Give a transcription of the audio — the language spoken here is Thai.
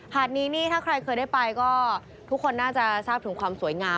ดนี้นี่ถ้าใครเคยได้ไปก็ทุกคนน่าจะทราบถึงความสวยงาม